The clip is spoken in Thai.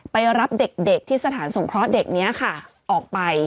ไปรับเด็กสถานสงคร้อเด็กนี้ออกไป